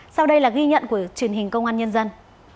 sau đây là ghi nhận của truyền hình công an nhân dân